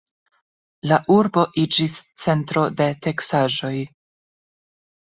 La urbo iĝis centro de teksaĵoj.